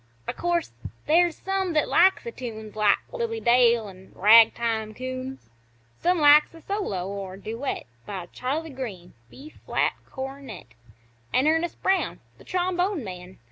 O' course, there's some that likes the tunes Like Lily Dale an' Ragtime Coons; Some likes a solo or duet By Charley Green B flat cornet An' Ernest Brown th' trombone man.